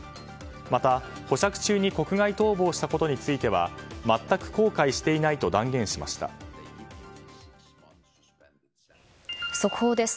また、保釈中に国外逃亡したことについては全く後悔していないと速報です。